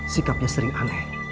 sikapnya sering aneh